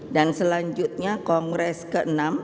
dan selanjutnya kongres ke enam